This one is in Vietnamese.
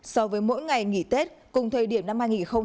so với mỗi ngày nghỉ tết cùng thời điểm năm hai nghìn hai mươi ba